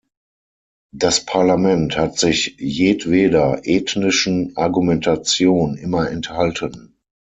Das Parlament hat sich jedweder ethnischen Argumentation immer enthalten.